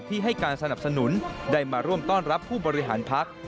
ให้การสนับสนุนได้มาร่วมต้อนรับผู้บริหารพัก